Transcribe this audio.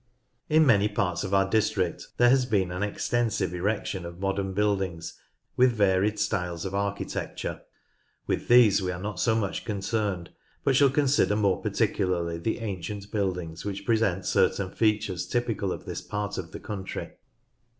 In many parts of our district there has been an extensive erection of modern buildings with varied styles of architecture. With these we are not so much con cerned, but shall consider more particularly the ancient buildings which present certain features typical of this part of the country.